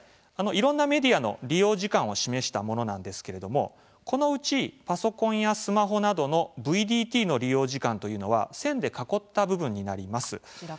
いろんなメディアの利用時間を示したものなんですけれどもこのうち、パソコンやスマホなどのＶＤＴの利用時間は線で囲った部分になります。